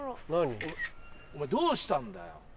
お前どうしたんだよ。